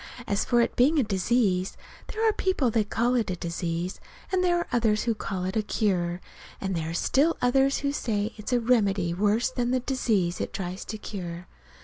"As for it's being a disease there are people that call it a disease, and there are others who call it a cure; and there are still others who say it's a remedy worse than the disease it tries to cure.